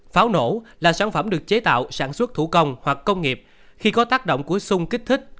pháo nổ là sản phẩm được chế tạo sản xuất thủ công hoặc công nghiệp khi có tác động của sung kích thích